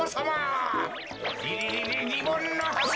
リリリリリボンのハス！